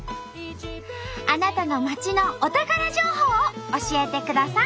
あなたの町のお宝情報を教えてください。